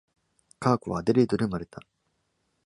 カークはアデレードで生まれた。